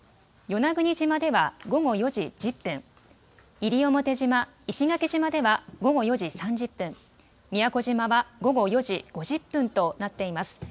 与那国島では午後４時１０分、西表島、石垣島では午後４時３０分、宮古島は午後４時５０分となっています。